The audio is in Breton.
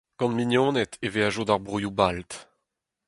Gant mignoned e veajo d’ar broioù balt.